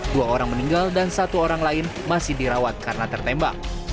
dua orang meninggal dan satu orang lain masih dirawat karena tertembak